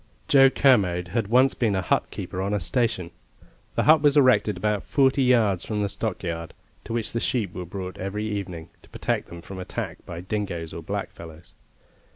Joe Kermode had once been a hutkeeper on a station. The hut was erected about forty yards from the stockyard, to which the sheep were brought every evening, to protect them from attack by dingoes or blackfellows.